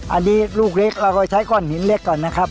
อันนี้ลูกเล็กเราก็ใช้ก้อนหินเล็กก่อนนะครับ